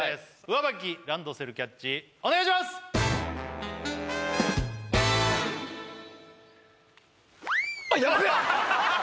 上履きランドセルキャッチお願いしますあっヤベッ！